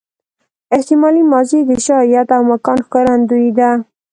احتمالي ماضي د شاید او امکان ښکارندوی ده.